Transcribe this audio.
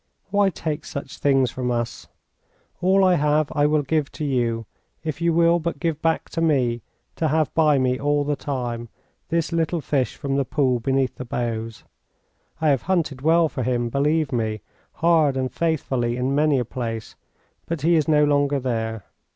Why take such things from us?... All I have I will give to you, if you will but give back to me, to have by me all the time, this little fish from the pool beneath the boughs. I have hunted well for him, believe me, hard and faithfully in many a place, but he is no longer there.